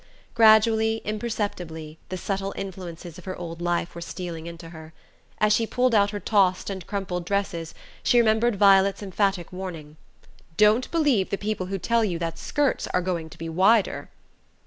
Gradually, imperceptibly, the subtle influences of her old life were stealing into her. As she pulled out her tossed and crumpled dresses she remembered Violet's emphatic warning: "Don't believe the people who tell you that skirts are going to be wider."